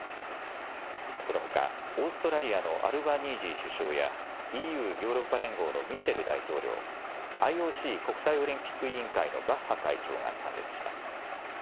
このほかオーストラリアのアルバニージー首相やＥＵ・ヨーロッパ連合のミシェル大統領、ＩＯＣ・国際オリンピック委員会のバッハ会長が参列します。